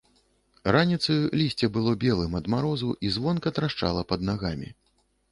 Раніцаю лісце было белым ад марозу і звонка трашчала пад нагамі.